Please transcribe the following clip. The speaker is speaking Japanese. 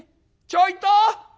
「ちょいと！